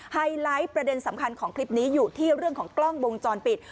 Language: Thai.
ไฮไลท์ประเด็นสำคัญของคลิปนี้อยู่ที่เรื่องของกล้องวงจรปิด